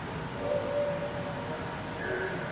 تور وېښته مي په دې لاره کي سپین سوي ..